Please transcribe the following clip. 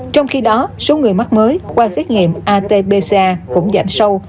trong khi đó số người mắc mới qua xét nghiệm atbc cũng giảm sâu